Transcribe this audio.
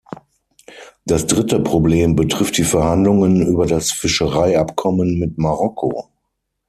Das dritte Problem betrifft die Verhandlungen über das Fischereiabkommen mit Marokko.